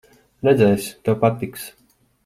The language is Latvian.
Redzēsi, tev patiks.